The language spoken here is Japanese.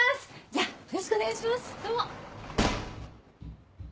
じゃあよろしくお願いしますどうも。